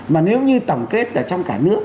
mà nếu như tổng kết ở trong cả nước